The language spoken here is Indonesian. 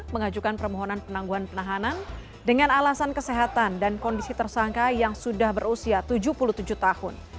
mengajukan permohonan penangguhan penahanan dengan alasan kesehatan dan kondisi tersangka yang sudah berusia tujuh puluh tujuh tahun